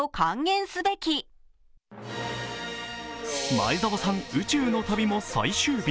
前澤さん、宇宙の旅も最終日。